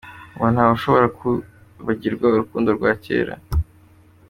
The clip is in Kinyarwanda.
Ngo "ntawushobora kwibagirwa urukundo rwa kera.